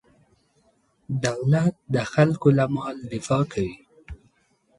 دولت د خلکو له مال دفاع کوي.